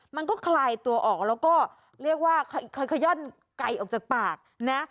มันก็คลายตัวออกแล้วก็เรียกว่าค่อยไก่ออกจากปากนะ